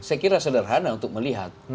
saya kira sederhana untuk melihat